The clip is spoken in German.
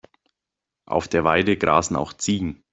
Auf der Weide grasen auch Ziegen.